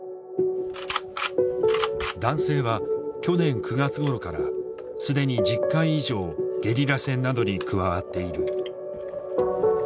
男性は去年９月ごろから既に１０回以上ゲリラ戦などに加わっている。